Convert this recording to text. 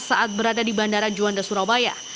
saat berada di bandara juanda surabaya